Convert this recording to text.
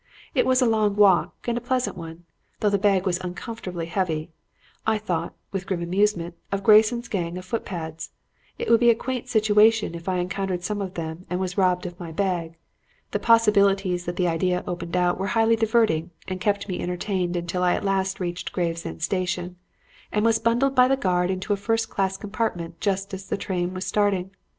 It was a long walk and a pleasant one, though the bag was uncomfortably heavy. I thought, with grim amusement, of Grayson's gang of footpads. It would be a quaint situation if I encountered some of them and was robbed of my bag. The possibilities that the idea opened out were highly diverting and kept me entertained until I at last reached Gravesend Station and was bundled by the guard into a first class compartment just as the train was starting.